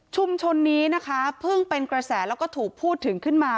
ชุมชนนี้นะคะเพิ่งเป็นกระแสแล้วก็ถูกพูดถึงขึ้นมา